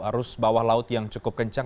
arus bawah laut yang cukup kencang